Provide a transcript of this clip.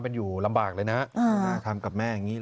พ่อไปฟังหน่อยครับ